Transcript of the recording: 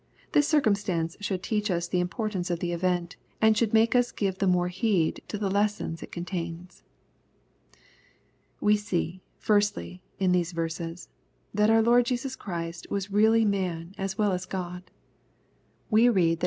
This circumstance should teach us the importance of the event, and should make us " give th^jaoxe heeJ^o the lessons it contains. We see, firstly, in these verseis, that our Lord Jesua Christ was really man as weU as God. We read that 262 EXPOSITOBT THOUGHTS.